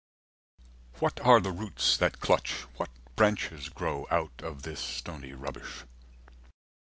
What are the roots that clutch, what branches grow Out of this stony rubbish?